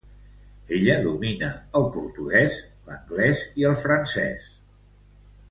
Ella domina el portuguès, l'anglès i el francès.